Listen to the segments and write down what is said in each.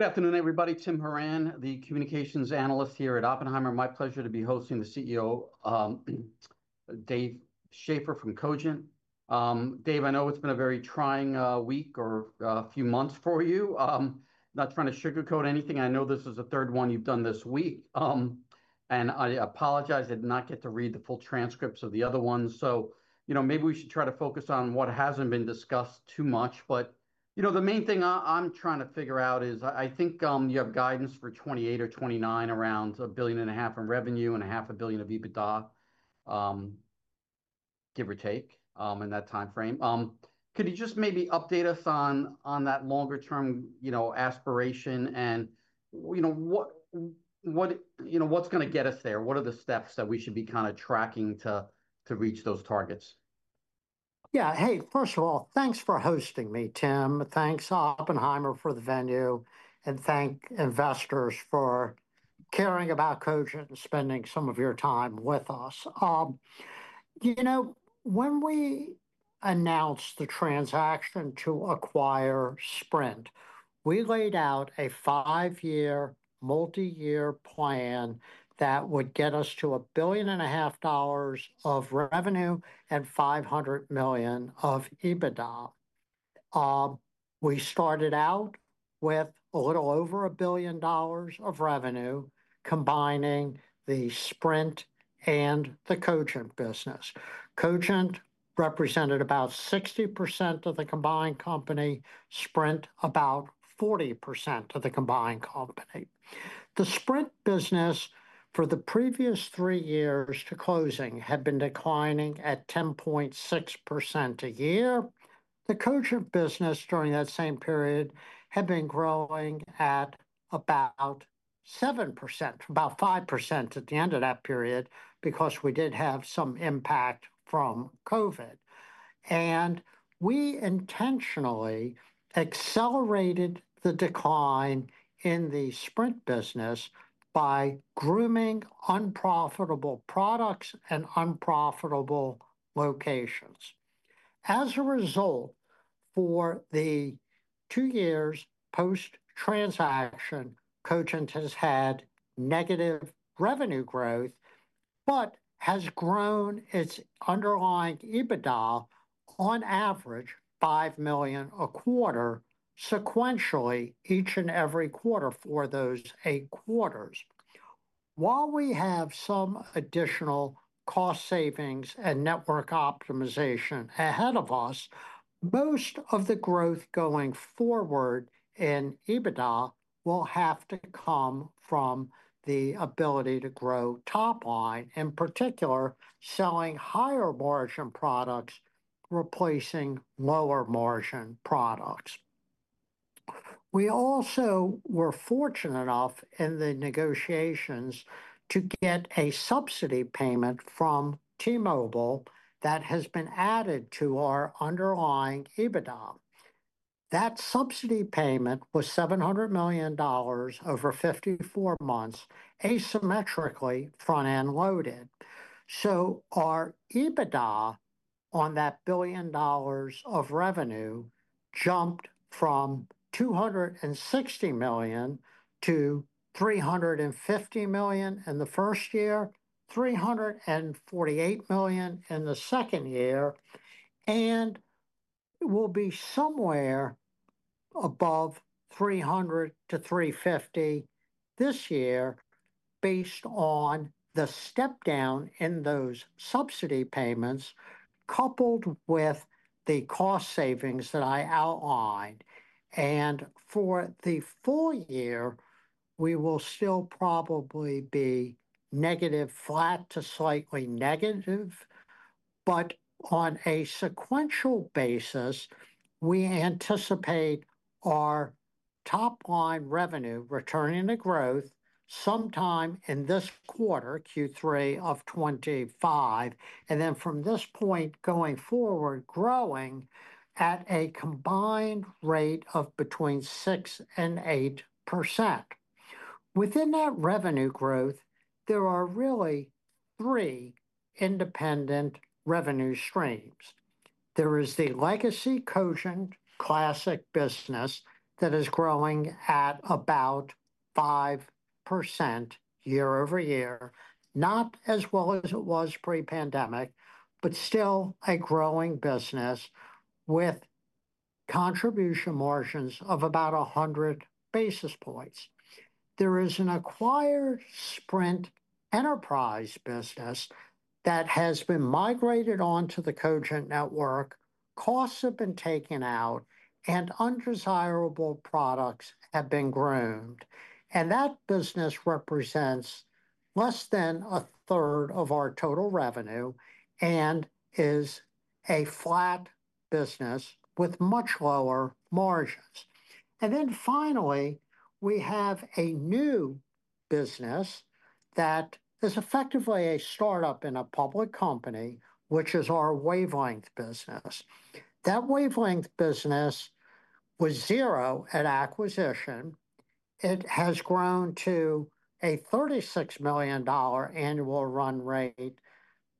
Good afternoon, everybody. Tim Horan, the Communications Analyst here at Oppenheimer. My pleasure to be hosting the CEO, Dave Schaeffer from Cogent Communications Holdings Inc. Dave, I know it's been a very trying week or a few months for you. Not trying to sugarcoat anything. I know this is the third one you've done this week, and I apologize I did not get to read the full transcripts of the other ones. Maybe we should try to focus on what hasn't been discussed too much. The main thing I'm trying to figure out is, I think, you have guidance for 2028 or 2029 around $1.5 billion in revenue and $0.5 billion of EBITDA, give or take, in that time frame. Could you just maybe update us on that longer-term aspiration and what, what, you know, what's going to get us there? What are the steps that we should be kind of tracking to reach those targets? Yeah. First of all, thanks for hosting me, Tim. Thanks, Oppenheimer, for the venue. Thank investors for caring about Cogent and spending some of your time with us. When we announced the transaction to acquire Sprint, we laid out a five-year, multi-year plan that would get us to $1.5 billion of revenue and $500 million of EBITDA. We started out with a little over $1 billion of revenue combining the Sprint and the Cogent business. Cogent represented about 60% of the combined company, Sprint about 40% of the combined company. The Sprint business for the previous three years to closing had been declining at 10.6% a year. The Cogent business during that same period had been growing at about 7%, about 5% at the end of that period because we did have some impact from COVID. We intentionally accelerated the decline in the Sprint business by grooming unprofitable products and unprofitable locations. As a result, for the two years post-transaction, Cogent has had negative revenue growth but has grown its underlying EBITDA on average $5 million a quarter, sequentially each and every quarter for those eight quarters. While we have some additional cost savings and network optimization ahead of us, most of the growth going forward in EBITDA will have to come from the ability to grow top line, in particular, selling higher margin products replacing lower margin products. We also were fortunate enough in the negotiations to get a subsidy payment from T-Mobile that has been added to our underlying EBITDA. That subsidy payment was $700 million over 54 months, asymmetrically front-end loaded. Our EBITDA on that $1 billion of revenue jumped from $260 million to $350 million in the first year, $348 million in the second year, and it will be somewhere above $300 million-$350 million this year based on the step down in those subsidy payments coupled with the cost savings that I outlined. For the full year, we will still probably be negative, flat to slightly negative. On a sequential basis, we anticipate our top line revenue returning to growth sometime in this quarter, Q3 of 2025. From this point going forward, growing at a combined rate of between 6% and 8%. Within that revenue growth, there are really three independent revenue streams. There is the legacy Cogent classic business that is growing at about 5% year-over-year, not as well as it was pre-pandemic, but still a growing business with contribution margins of about 100 basis points. There is an acquired Sprint enterprise business that has been migrated onto the Cogent network. Costs have been taken out, and undesirable products have been groomed. That business represents less than a third of our total revenue and is a flat business with much lower margins. Finally, we have a new business that is effectively a startup in a public company, which is our wavelength business. That wavelength business was zero at acquisition. It has grown to a $36 million annual run rate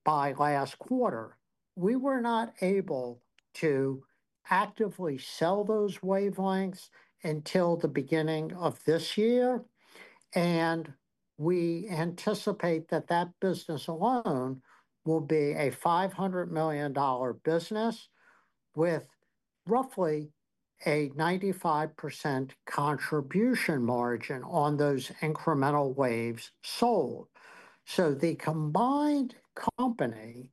by last quarter. We were not able to actively sell those wavelengths until the beginning of this year. We anticipate that that business alone will be a $500 million business with roughly a 95% contribution margin on those incremental waves sold. The combined company,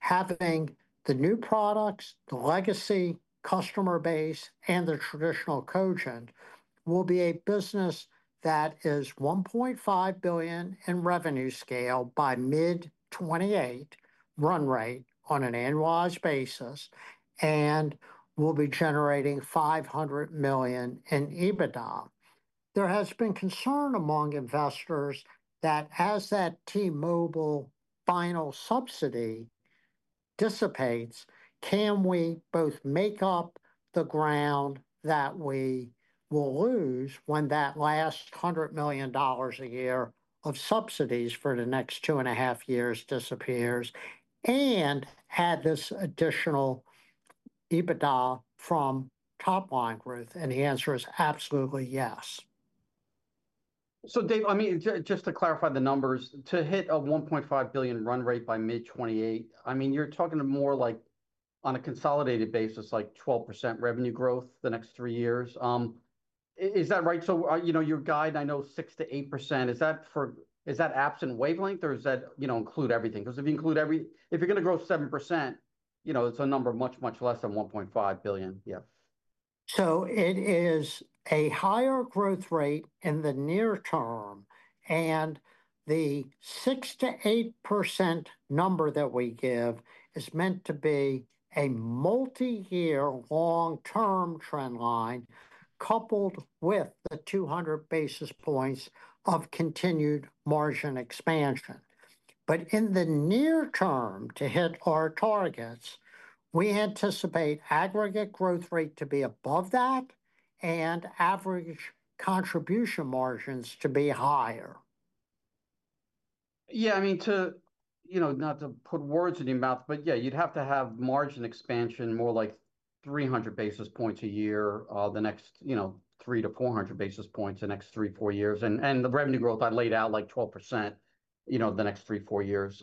having the new products, the legacy customer base, and the traditional Cogent, will be a business that is $1.5 billion in revenue scale by mid 2028 run rate on an annualized basis and will be generating $500 million in EBITDA. There has been concern among investors that as that T-Mobile final subsidy dissipates, can we both make up the ground that we will lose when that last $100 million a year of subsidies for the next two and a half years disappears and add this additional EBITDA from top line growth? The answer is absolutely yes. Dave, just to clarify the numbers, to hit a $1.5 billion run rate by mid 2028, you're talking more like on a consolidated basis, like 12% revenue growth the next three years. Is that right? Your guide, I know 6%-8%, is that absent wavelength or does that include everything? Because if you include everything, if you're going to grow 7%, it's a number much, much less than $1.5 billion. Yeah. It is a higher growth rate in the near term. The 6%-8% number that we give is meant to be a multi-year long-term trend line, coupled with the 200 basis points of continued margin expansion. In the near term, to hit our targets, we anticipate aggregate growth rate to be above that and average contribution margins to be higher. Yeah, I mean, not to put words in your mouth, but yeah, you'd have to have margin expansion more like 300 basis points a year the next, you know, 300 basis points-400 basis points in the next three, four years. The revenue growth I laid out like 12% the next three, four years.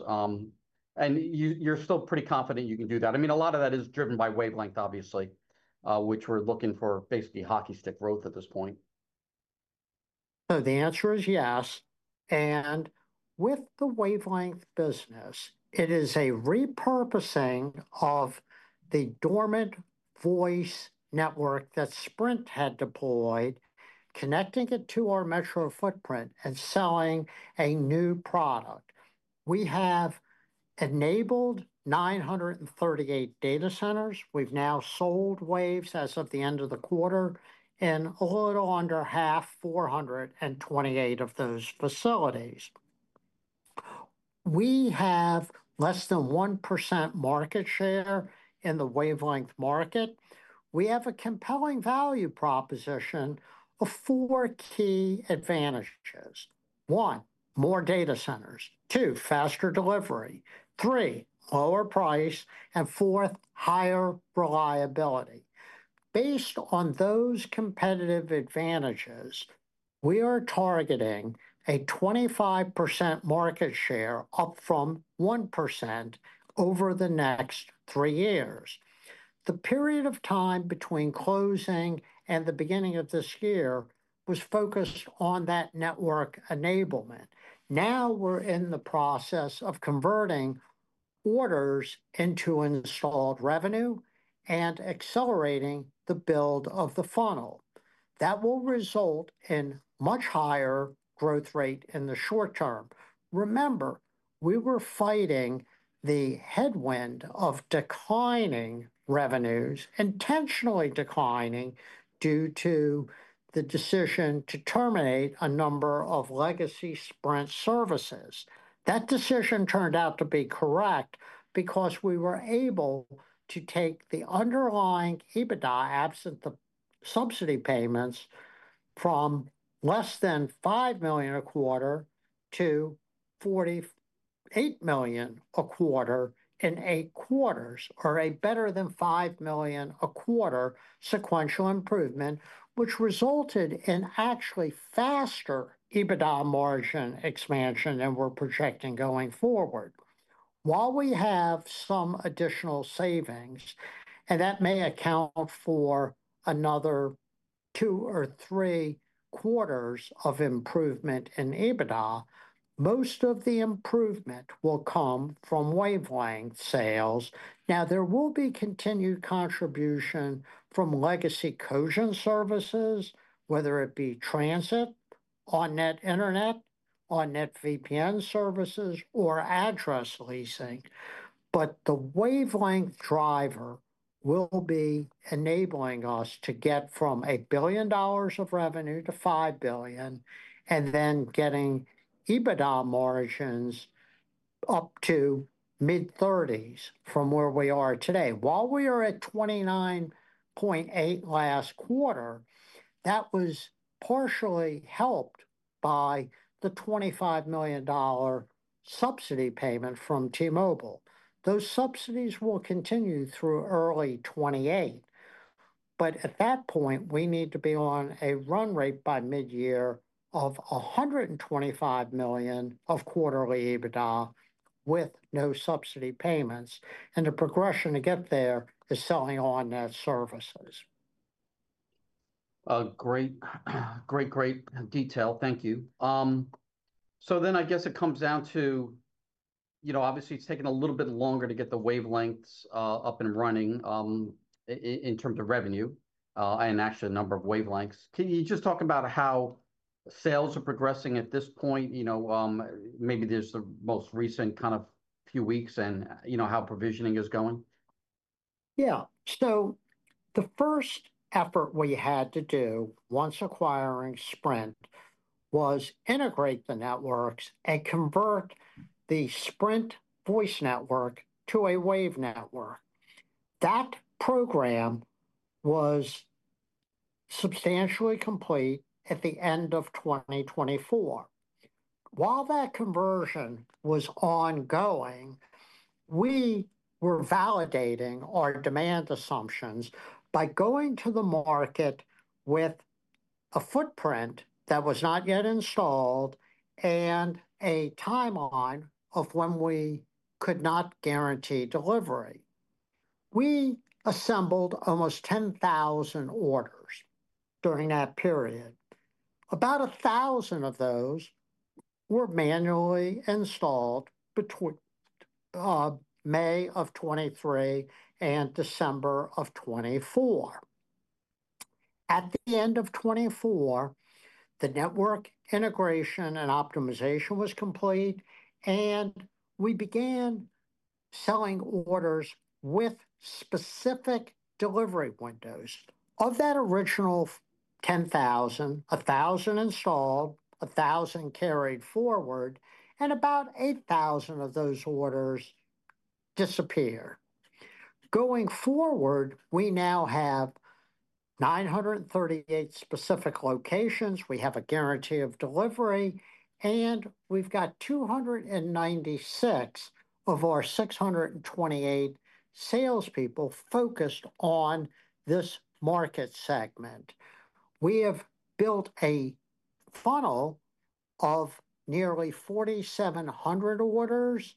You're still pretty confident you can do that. I mean, a lot of that is driven by wavelength, obviously, which we're looking for basically hockey stick growth at this point. The answer is yes. With the wavelength business, it is a repurposing of the dormant voice network that Sprint had deployed, connecting it to our metro footprint and selling a new product. We have enabled 938 data centers. We've now sold waves as of the end of the quarter in a little under half, 428 of those facilities. We have less than 1% market share in the wavelength market. We have a compelling value proposition of four key advantages: one, more data centers; two, faster delivery; three, lower price; and four, higher reliability. Based on those competitive advantages, we are targeting a 25% market share, up from 1% over the next three years. The period of time between closing and the beginning of this year was focused on that network enablement. Now we're in the process of converting orders into installed revenue and accelerating the build of the funnel. That will result in a much higher growth rate in the short term. Remember, we were fighting the headwind of declining revenues, intentionally declining due to the decision to terminate a number of legacy Sprint services. That decision turned out to be correct because we were able to take the underlying EBITDA absent the subsidy payments from less than $5 million a quarter to $48 million a quarter in eight quarters, or a better than $5 million a quarter sequential improvement, which resulted in actually faster EBITDA margin expansion than we're projecting going forward. While we have some additional savings, and that may account for another two or three quarters of improvement in EBITDA, most of the improvement will come from wavelength sales. There will be continued contribution from legacy Cogent services, whether it be transit on net internet, on net VPN services, or address leasing. The wavelength driver will be enabling us to get from $1 billion of revenue to $5 billion and then getting EBITDA margins up to mid-30s from where we are today. While we are at 29.8% last quarter, that was partially helped by the $25 million subsidy payment from T-Mobile. Those subsidies will continue through early 2028. At that point, we need to be on a run rate by mid-year of $125 million of quarterly EBITDA with no subsidy payments. The progression to get there is selling on net services. Great, great detail. Thank you. I guess it comes down to, you know, obviously it's taken a little bit longer to get the wavelengths up and running in terms of revenue and actually the number of wavelengths. Can you just talk about how sales are progressing at this point? Maybe there's the most recent kind of few weeks and, you know, how provisioning is going? Yeah. The first effort we had to do once acquiring Sprint was integrate the networks and convert the Sprint voice network to a wave network. That program was substantially complete at the end of 2024. While that conversion was ongoing, we were validating our demand assumptions by going to the market with a footprint that was not yet installed and a timeline of when we could not guarantee delivery. We assembled almost 10,000 orders during that period. About 1,000 of those were manually installed between May of 2023 and December of 2024. At the end of 2024, the network integration and optimization was complete, and we began selling orders with specific delivery windows. Of that original 10,000, 1,000 installed, 1,000 carried forward, and about 8,000 of those orders disappeared. Going forward, we now have 938 specific locations. We have a guarantee of delivery, and we've got 296 of our 628 salespeople focused on this market segment. We have built a funnel of nearly 4,700 orders.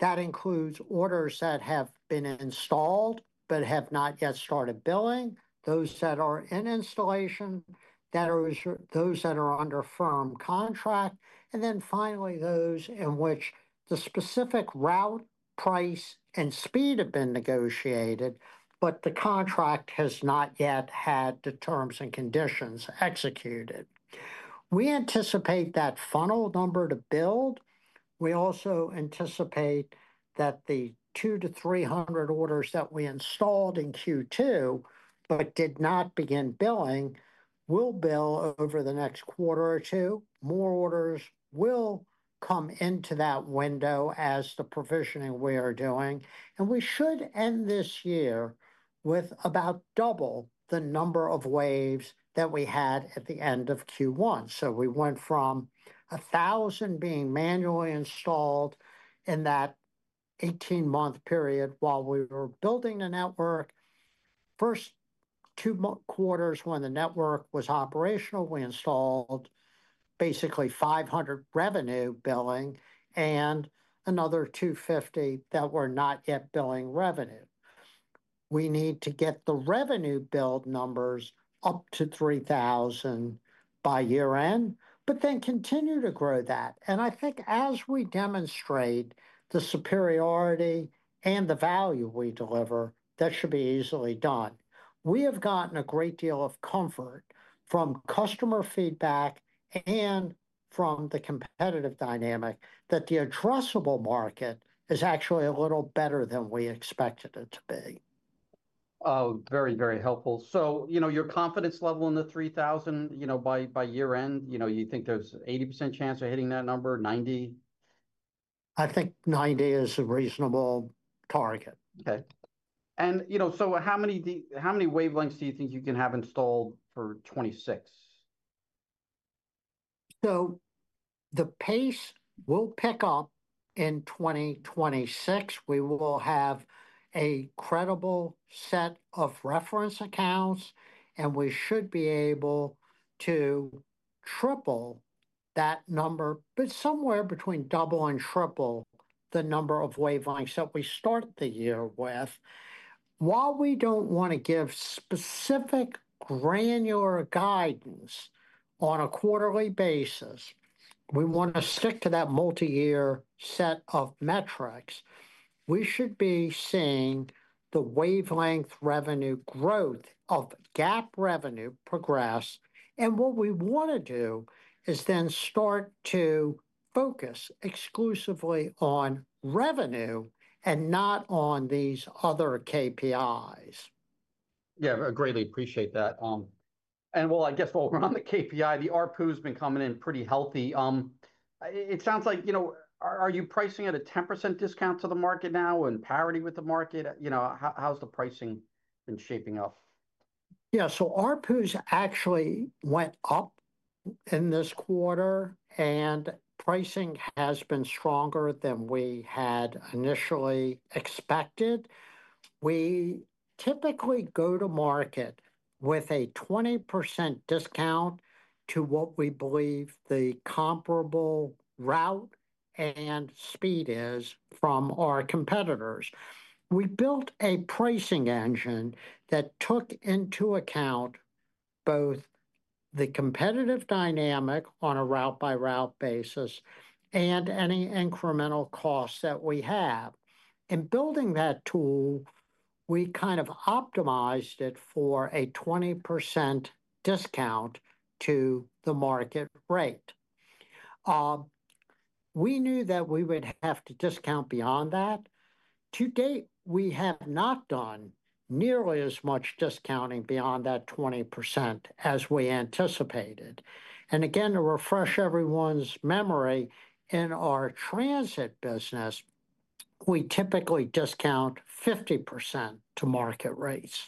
That includes orders that have been installed but have not yet started billing, those that are in installation, those that are under firm contract, and then finally those in which the specific route, price, and speed have been negotiated, but the contract has not yet had the terms and conditions executed. We anticipate that funnel number to build. We also anticipate that the 200 orders-300 orders that we installed in Q2 but did not begin billing will bill over the next quarter or two. More orders will come into that window as the provisioning we are doing. We should end this year with about double the number of waves that we had at the end of Q1. We went from 1,000 being manually installed in that 18-month period while we were building the network. The first two quarters when the network was operational, we installed basically 500 revenue billing and another 250 that were not yet billing revenue. We need to get the revenue build numbers up to 3,000 by year-end, but then continue to grow that. I think as we demonstrate the superiority and the value we deliver, that should be easily done. We have gotten a great deal of comfort from customer feedback and from the competitive dynamic that the addressable market is actually a little better than we expected it to be. Very, very helpful. Your confidence level in the 3,000 by year-end, you think there's an 80% chance of hitting that number, 90%? I think 90% is a reasonable target. Okay. You know, how many wavelengths do you think you can have installed for 2026? The pace will pick up in 2026. We will have a credible set of reference accounts, and we should be able to triple that number, but somewhere between double and triple the number of wavelengths that we started the year with. While we don't want to give specific granular guidance on a quarterly basis, we want to stick to that multi-year set of metrics. We should be seeing the wavelength revenue growth of GAAP revenue progress. What we want to do is then start to focus exclusively on revenue and not on these other KPIs. I greatly appreciate that. I guess while we're on the KPI, the ARPU has been coming in pretty healthy. It sounds like, you know, are you pricing at a 10% discount to the market now and parity with the market? You know, how's the pricing been shaping up? Yeah, ARPUs actually went up in this quarter, and pricing has been stronger than we had initially expected. We typically go to market with a 20% discount to what we believe the comparable route and speed is from our competitors. We built a pricing engine that took into account both the competitive dynamic on a route-by-route basis and any incremental costs that we had. In building that tool, we optimized it for a 20% discount to the market rate. We knew that we would have to discount beyond that. To date, we have not done nearly as much discounting beyond that 20% as we anticipated. To refresh everyone's memory, in our transit business, we typically discount 50% to market rates.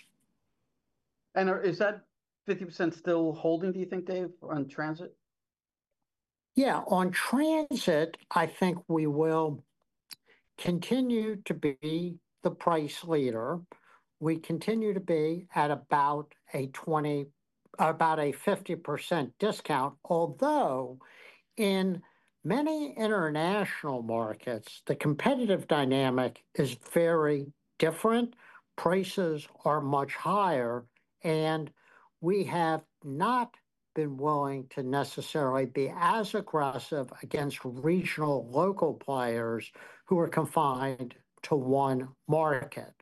Is that 50% still holding, do you think, Dave, on transit? Yeah, on transit, I think we will continue to be the price leader. We continue to be at about a 50% discount, although in many international markets, the competitive dynamic is very different. Prices are much higher, and we have not been willing to necessarily be as aggressive against regional local players who are confined to one market.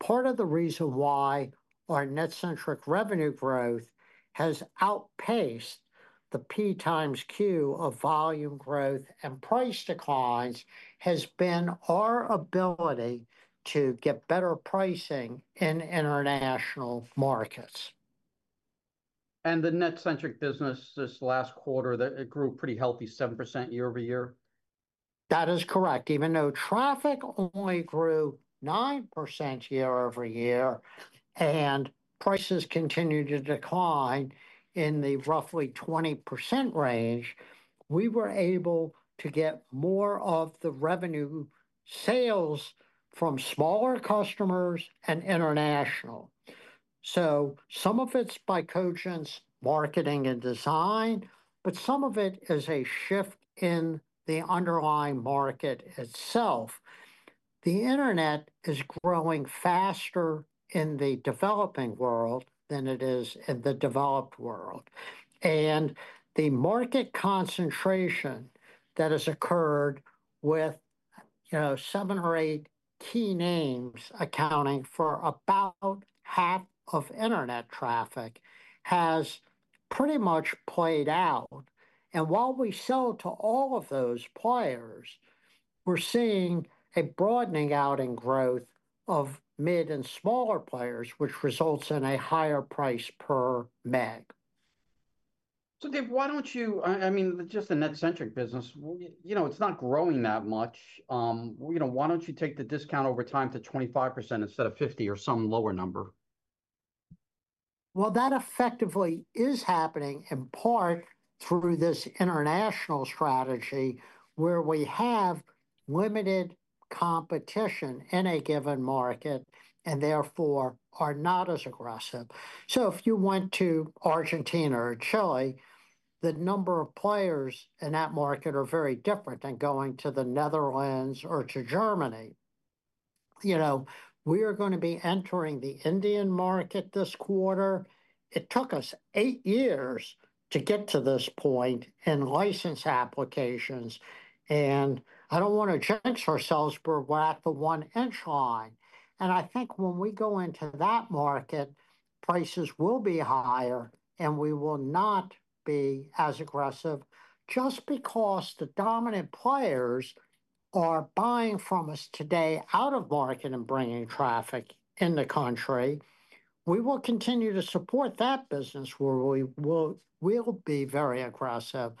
Part of the reason why our net-centric revenue growth has outpaced the PxQ of volume growth and price declines has been our ability to get better pricing in international markets. The net-centric business this last quarter, it grew pretty healthy, 7% year-over-year? That is correct. Even though traffic only grew 9% year-over-year and prices continued to decline in the roughly 20% range, we were able to get more of the revenue sales from smaller customers and international. Some of it's by Cogent's marketing and design, but some of it is a shift in the underlying market itself. The internet is growing faster in the developing world than it is in the developed world. The market concentration that has occurred with, you know, seven or eight key names accounting for about half of internet traffic has pretty much played out. While we sell to all of those players, we're seeing a broadening out in growth of mid and smaller players, which results in a higher price per meg. Dave, why don't you, I mean, just the net-centric business, you know, it's not growing that much. You know, why don't you take the discount over time to 25% instead of 50% or some lower number? That effectively is happening in part through this international strategy where we have limited competition in a given market and therefore are not as aggressive. If you went to Argentina or Chile, the number of players in that market are very different than going to the Netherlands or to Germany. You know, we are going to be entering the Indian market this quarter. It took us eight years to get to this point in license applications. I don't want to jinx ourselves. We're at the one-inch line. I think when we go into that market, prices will be higher and we will not be as aggressive just because the dominant players are buying from us today out of market and bringing traffic in the country. We will continue to support that business where we will be very aggressive,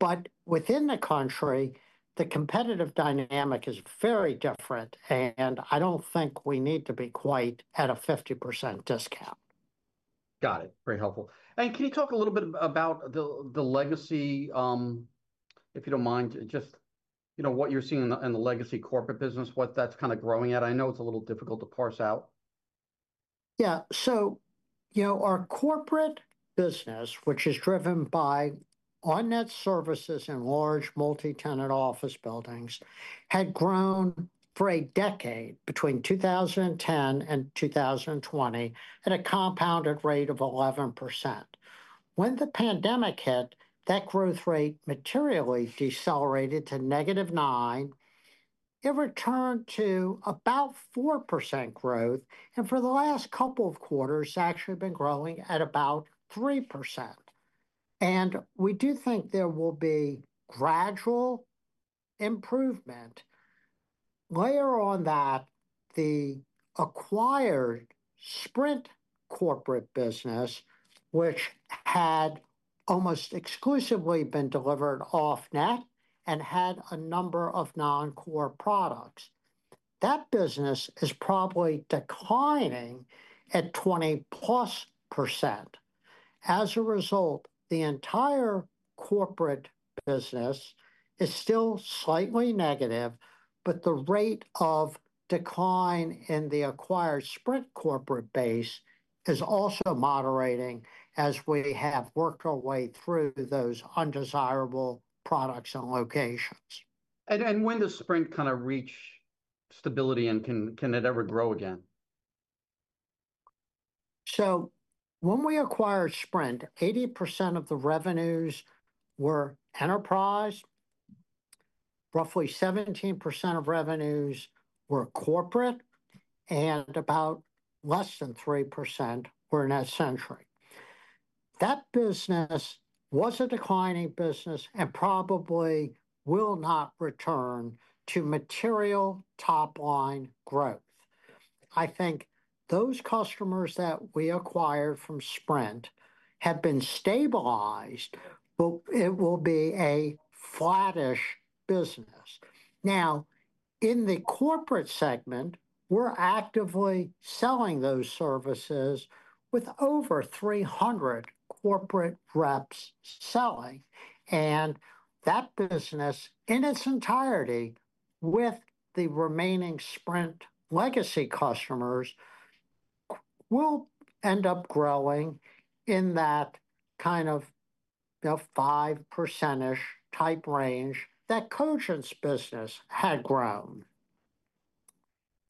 but within the country, the competitive dynamic is very different. I don't think we need to be quite at a 50% discount. Got it. Very helpful. Can you talk a little bit about the legacy, if you don't mind, just what you're seeing in the legacy corporate business, what that's kind of growing at? I know it's a little difficult to parse out. Yeah. Our corporate business, which is driven by our net-centric business services in large multi-tenant office buildings, had grown for a decade between 2010 and 2020 at a compounded rate of 11%. When the pandemic hit, that growth rate materially decelerated to -9%. It returned to about 4% growth, and for the last couple of quarters, it's actually been growing at about 3%. We do think there will be gradual improvement. Layer on that the acquired Sprint corporate business, which had almost exclusively been delivered off-net and had a number of non-core products, that business is probably declining at 20%+. As a result, the entire corporate business is still slightly negative, but the rate of decline in the acquired Sprint corporate base is also moderating as we have worked our way through those undesirable products and locations. When does Sprint kind of reach stability, and can it ever grow again? When we acquired Sprint, 80% of the revenues were enterprise, roughly 17% of revenues were corporate, and about less than 3% were net-centric. That business was a declining business and probably will not return to material top line growth. I think those customers that we acquired from Sprint have been stabilized, but it will be a flattish business. In the corporate segment, we're actively selling those services with over 300 corporate reps selling. That business, in its entirety, with the remaining Sprint legacy customers, will end up growing in that kind of 5%-ish type range that Cogent's business had grown.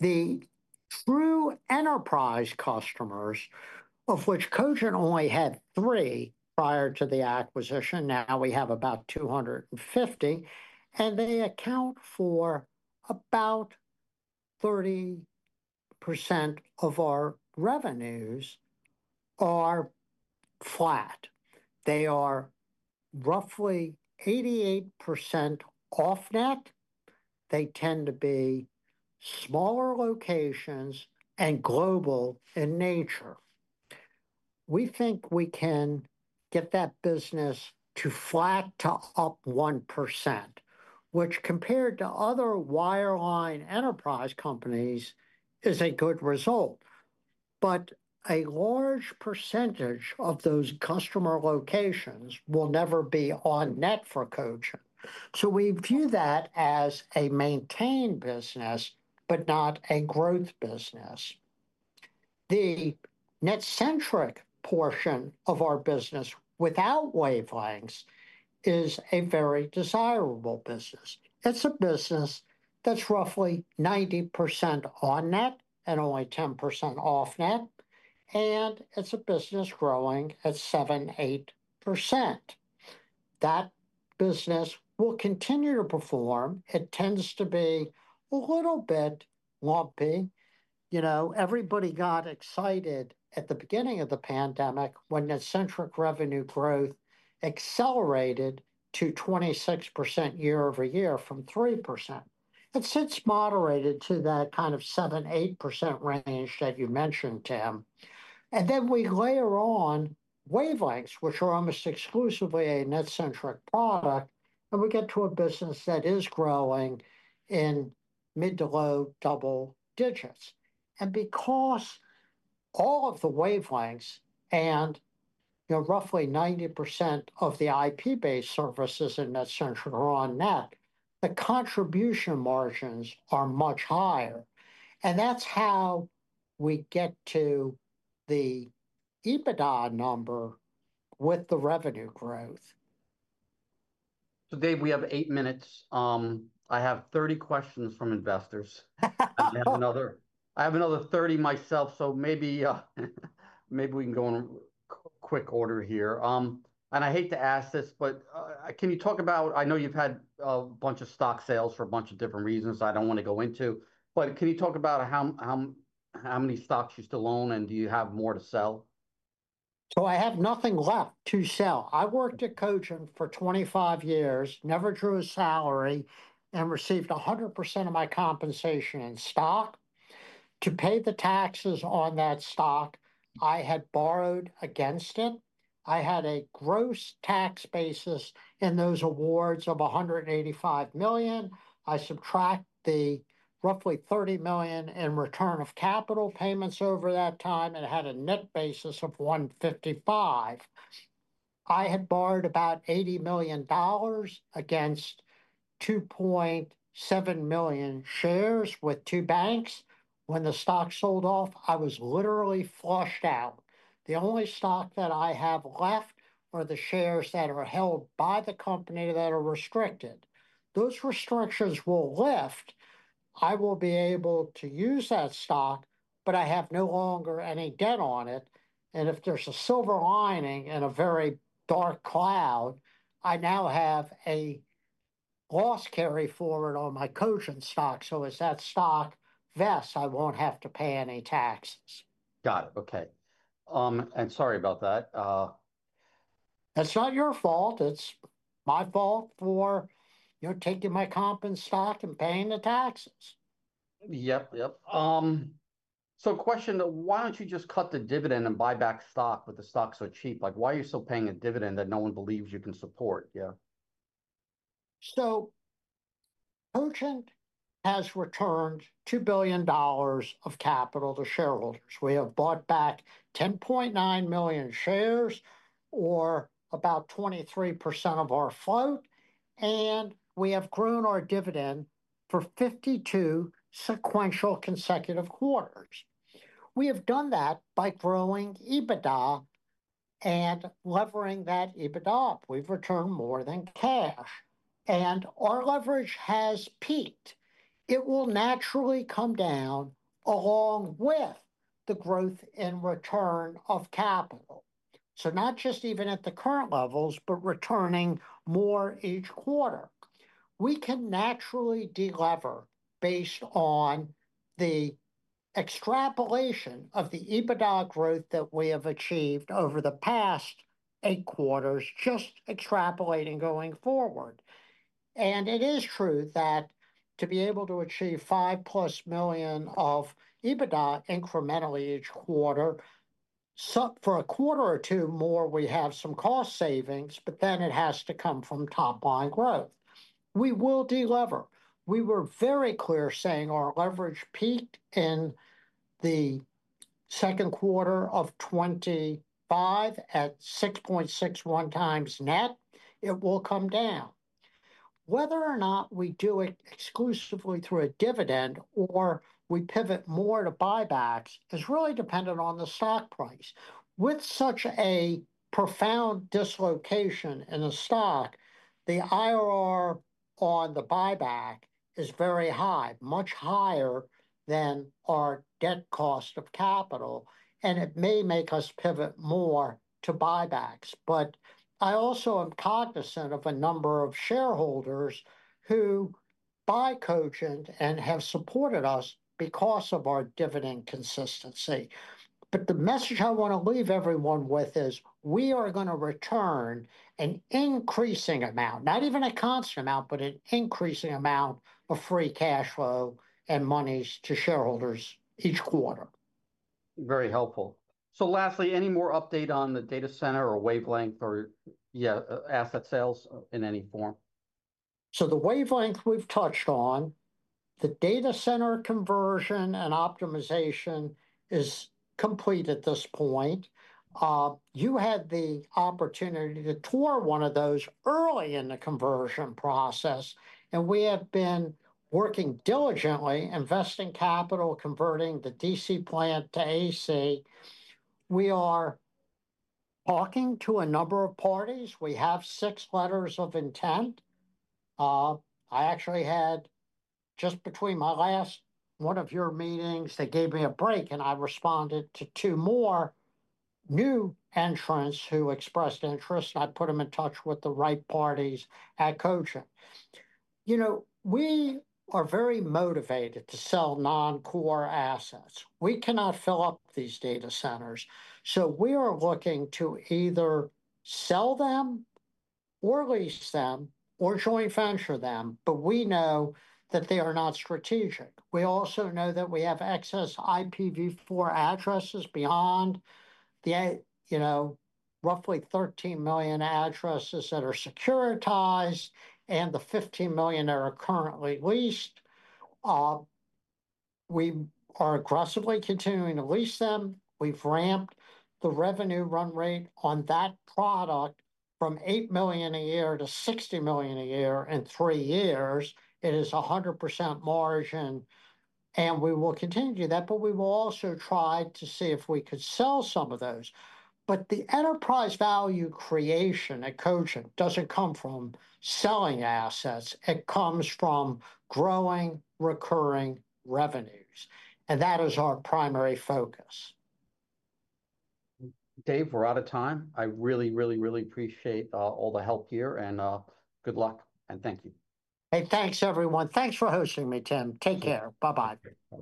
The true enterprise customers, of which Cogent only had three prior to the acquisition, now we have about 250. They account for about 30% of our revenues and are flat. They are roughly 88% off net. They tend to be smaller locations and global in nature. We think we can get that business to flat to up 1%, which compared to other wireline enterprise companies is a good result. A large percentage of those customer locations will never be on net for Cogent. We view that as a maintained business, not a growth business. The net-centric portion of our business without wavelengths is a very desirable business. It's a business that's roughly 90% on net and only 10% off net. It's a business growing at 7%, 8%. That business will continue to perform. It tends to be a little bit lumpy. Everybody got excited at the beginning of the pandemic when net-centric revenue growth accelerated to 26% year-over-year from 3%. It's since moderated to that kind of 7%, 8% range that you mentioned, Tim. We layer on wavelengths, which are almost exclusively a net-centric product, and we get to a business that is growing in mid to low double digits. Because all of the wavelengths and roughly 90% of the IP-based services in net-centric are on net, the contribution margins are much higher. That's how we get to the EBITDA number with the revenue growth. Dave, we have eight minutes. I have 30 questions from investors. I have another 30 myself, so maybe we can go in a quick order here. I hate to ask this, but can you talk about, I know you've had a bunch of stock sales for a bunch of different reasons I don't want to go into, but can you talk about how many stocks you still own and do you have more to sell? Oh, I have nothing left to sell. I worked at Cogent for 25 years, never drew a salary, and received 100% of my compensation in stock. To pay the taxes on that stock, I had borrowed against it. I had a gross tax basis in those awards of $185 million. I subtract the roughly $30 million in return of capital payments over that time and had a net basis of $155 million. I had borrowed about $80 million against 2.7 million shares with two banks. When the stock sold off, I was literally flushed out. The only stock that I have left are the shares that are held by the company that are restricted. Those restrictions will lift. I will be able to use that stock, but I have no longer any debt on it. If there's a silver lining in a very dark cloud, I now have a loss carry forward on my Cogent stock. As that stock vests, I won't have to pay any taxes. Got it. Okay. Sorry about that. That's not your fault. It's my fault for taking my company stock and paying the taxes. Why don't you just cut the dividend and buy back stock with the stock so cheap? Why are you still paying a dividend that no one believes you can support? Cogent has returned $2 billion of capital to shareholders. We have bought back 10.9 million shares or about 23% of our float. We have grown our dividend for 52 sequential consecutive quarters. We have done that by growing EBITDA and levering that EBITDA up. We've returned more than cash, and our leverage has peaked. It will naturally come down along with the growth in return of capital. Not just even at the current levels, but returning more each quarter, we can naturally delever based on the extrapolation of the EBITDA growth that we have achieved over the past eight quarters, just extrapolating going forward. It is true that to be able to achieve $5 million plus of EBITDA incrementally each quarter, for a quarter or two more, we have some cost savings, but then it has to come from top line growth. We will delever. We were very clear saying our leverage peaked in the second quarter of 2025 at 6.61x net. It will come down. Whether or not we do it exclusively through a dividend or we pivot more to buybacks is really dependent on the stock price. With such a profound dislocation in the stock, the IRR on the buyback is very high, much higher than our net cost of capital. It may make us pivot more to buybacks. I also am cognizant of a number of shareholders who buy Cogent and have supported us because of our dividend consistency. The message I want to leave everyone with is we are going to return an increasing amount, not even a constant amount, but an increasing amount of free cash flow and monies to shareholders each quarter. Very helpful. Lastly, any more update on the data center or wavelength, or asset sales in any form? The wavelength we've touched on, the data center conversion and optimization is complete at this point. You had the opportunity to tour one of those early in the conversion process. We have been working diligently, investing capital, converting the DC plant to AC. We are talking to a number of parties. We have six letters of intent. I actually had just between my last one of your meetings, they gave me a break and I responded to two more new entrants who expressed interest. I put them in touch with the right parties at Cogent. We are very motivated to sell non-core assets. We cannot fill up these data centers. We are looking to either sell them or lease them or joint venture them, but we know that they are not strategic. We also know that we have excess IPv4 addresses beyond the roughly 13 million addresses that are securitized and the 15 million that are currently leased. We are aggressively continuing to lease them. We've ramped the revenue run rate on that product from $8 million a year to $60 million a year in three years. It is 100% margin. We will continue to do that, but we will also try to see if we could sell some of those. The enterprise value creation at Cogent doesn't come from selling assets. It comes from growing recurring revenues. That is our primary focus. Dave, we're out of time. I really, really, really appreciate all the help here. Good luck and thank you. Hey, thanks everyone. Thanks for hosting me, Tim. Take care. Bye-bye.